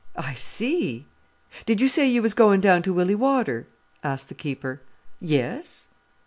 "I see!" "Did you say you was goin' down to Willey Water?" asked the keeper. "Yes."